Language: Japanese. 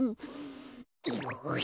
よし。